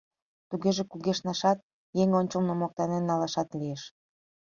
Тугеже кугешнашат, еҥ ончылно моктанен налашат лиеш».